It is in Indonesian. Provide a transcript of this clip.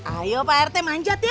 ayo pak rta manjatin ya